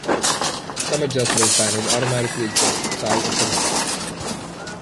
Some adjustable spanners automatically adjust to the size of the nut.